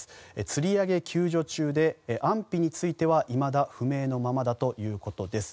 つり上げ救助中で安否についてはいまだ不明のままだということです。